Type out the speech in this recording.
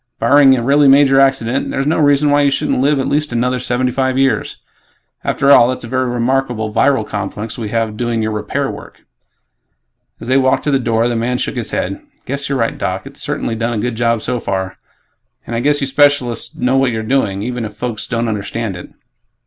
Barring a really major accident, there's no reason why you shouldn't live at least another seventy five years. After all, that's a very remarkable viral complex we have doing your 'repair' work." As they walked to the door, the man shook his head, "Guess you're right, Doc. It's certainly done a good job so far, and I guess you specialists know what you're doing, even if folks don't understand it."